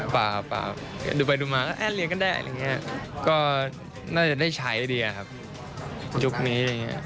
ปะดูไปดูมาเรียนก็ได้น่าจะได้ใช้ดีครับยุคนี้